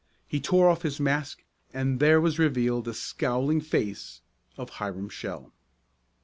He tore off his mask and there was revealed the scowling face of Hiram Shell.